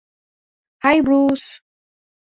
High, Bruce.